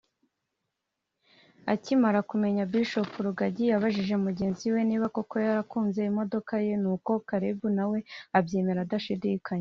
Akimara kubimenya Bishop Rugagi yabajije mugenzi we niba koko yarakunze imodoka ye nuko Karebu nawe abyemera adashidikanya